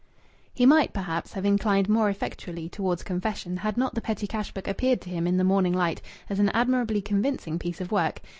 He might, perhaps, have inclined more effectually towards confession had not the petty cash book appeared to him in the morning light as an admirably convincing piece of work.